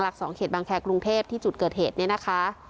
๒เขตบางแครกรุงเทพที่จุดเกิดเหตุเนี่ยนะคะ